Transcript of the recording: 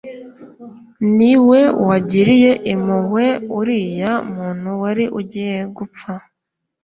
niwe wagiriye impuhwe uriya muntu wari ugiye gupfa